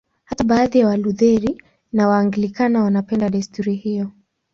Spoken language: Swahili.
Hata baadhi ya Walutheri na Waanglikana wanapenda desturi hiyo.